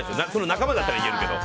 仲間だったら言えるけど。